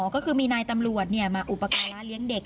ก็คือมีนายตำรวจเนี่ยมาขึ้นมาอุปการะเลี้ยงเด็ก